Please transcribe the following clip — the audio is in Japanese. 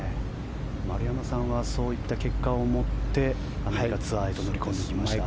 丸山さんはそういった結果を持ってアメリカツアーへと乗り込んでいきました。